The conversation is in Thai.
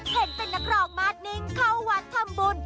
เห็นเป็นนักร้องมาดนิ่งเข้าวัดทำบุญ